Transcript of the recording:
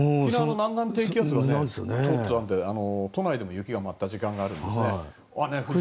南岸低気圧が通ったので都内でも雪が舞った時間があるんですね。